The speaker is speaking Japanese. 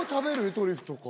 トリュフとか。